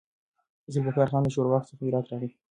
ذوالفقار خان له ښوراوک څخه هرات ته راغی.